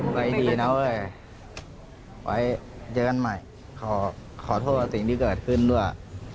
ไว้ดีนะเว้ยไว้เจอกันใหม่ขอโทษกับสิ่งที่เกิดขึ้นด้วย